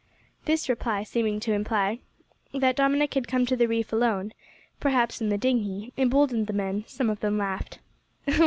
This reply seeming to imply that Dominick had come to the reef alone perhaps in the dinghy emboldened the men; some of them laughed.